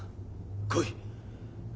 来い。